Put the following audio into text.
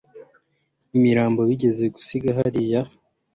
imirambo bigeze gusiga hariya